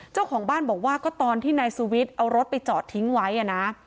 เจ้าของบ้านบอกว่าก็ตอนที่นายสุวิทย์เอารถไปจอดทิ้งไว้นะ